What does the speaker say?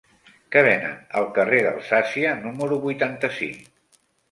Què venen al carrer d'Alsàcia número vuitanta-cinc?